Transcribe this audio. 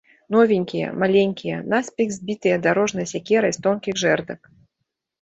Новенькія, маленькія, наспех збітыя дарожнай сякерай з тонкіх жэрдак.